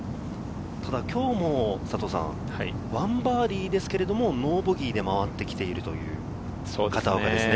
ただ今日も１バーディーですけれどノーボギーで回ってきているという片岡ですね。